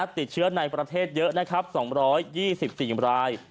ติดเชื้อในประเทศเยอะนะครับ๒๒๔ราย